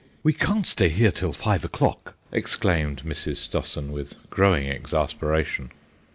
"We can't stay here till five o'clock," exclaimed Mrs. Stossen with growing exasperation.